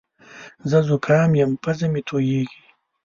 زه زوکام یم پزه مې تویېږې